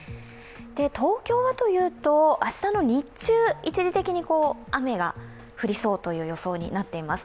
東京はというと、明日の日中一時的に雨が降りそうという予想になっています。